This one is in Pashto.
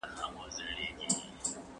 قدرت ولې د سیاست اړین عنصر دی؟